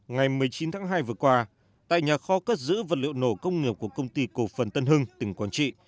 ngày một mươi chín tháng hai vừa qua tại nhà kho cất giữ vật liệu nổ công nghiệp của công ty cổ phần tân hưng tỉnh quảng trị